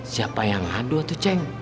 siapa yang haduh tuh ceng